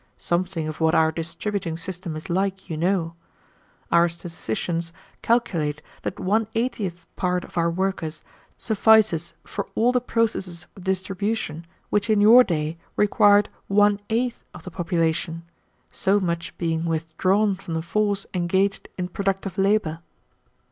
Something of what our distributing system is like you know. Our statisticians calculate that one eightieth part of our workers suffices for all the processes of distribution which in your day required one eighth of the population, so much being withdrawn from the force engaged in productive labor."